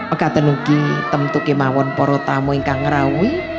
oka tenuki temtukimawan porotamu ingkang rawi